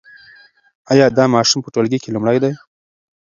ایا دا ماشوم په ټولګي کې لومړی دی؟